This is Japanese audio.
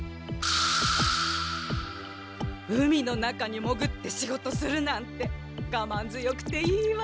海の中にもぐって仕事するなんてがまんづよくていいわ。